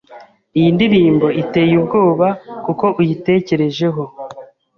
iyi ndirimbo iteye ubwoba kuko uyitekerejeho